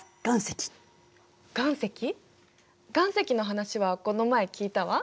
岩石の話はこの前聞いたわ。